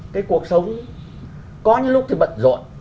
cái cuộc sống có những lúc thì bận rộn